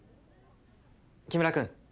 木村君。